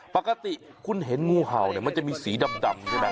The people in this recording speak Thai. ปกติคุณเห็นงูเห่าเนี่ยมันจะมีสีดำใช่ไหม